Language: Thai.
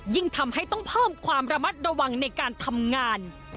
ยิ่งทำให้ต้องเพิ่มความระมัดระวังในการทำงาน